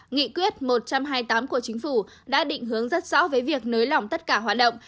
nghị quyết một trăm hai mươi tám của chính phủ đã định hướng rất rõ với việc nới lỏng tất cả hoạt động